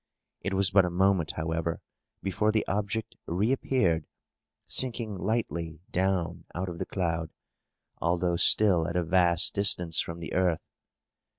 It was but a moment, however, before the object reappeared, sinking lightly down out of the cloud, although still at a vast distance from the earth.